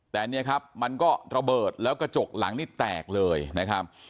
แต่เนี่ยครับมันก็ระเบิดแล้วกระจกหลังนี่แตกเลยนะครับ